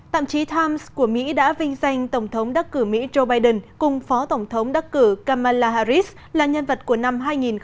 tạm chí times của mỹ đã vinh danh tổng thống đắc cử mỹ joe biden cùng phó tổng thống đắc cử kamala harris là nhân vật của năm hai nghìn một mươi